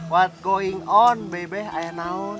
what's going on bebeh ayah naun